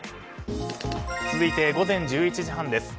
続いて午前１１時半です。